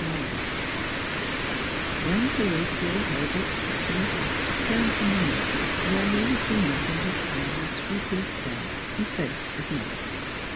XIX YOUNG Horatio Herbert Kitchener Hobbs turned from the mirror, where he had been knotting his tie with scrupulous care, and faced his mother.